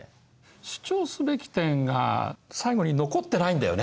主張すべき点が最後に残ってないんだよね。